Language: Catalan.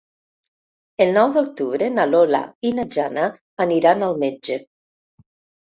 El nou d'octubre na Lola i na Jana aniran al metge.